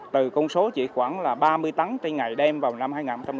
từ công số chỉ khoảng ba mươi tắng trên ngày đêm vào năm hai nghìn một mươi ba